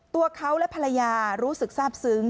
ตัวเขาและภรรยารู้สึกทราบซึ้ง